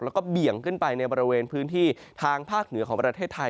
แล้วก็เบี่ยงขึ้นไปในบริเวณพื้นที่ทางภาคเหนือของประเทศไทย